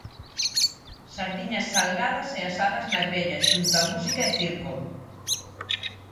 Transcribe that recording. Sardiñas salgadas e asadas na grella xunto a música e circo.